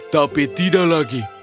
tapi tidak lagi